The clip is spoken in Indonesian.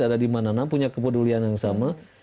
ada di mana mana punya kepedulian yang sama